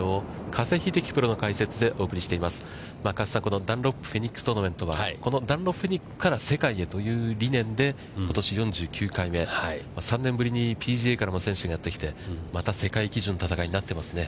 加瀬さん、このダンロップフェニックストーナメントは、このダンロップフェニックスから世界へという理念でことし４９回目、３年ぶりにＰＧＡからも選手がやってきてまた世界基準の戦いになってますね。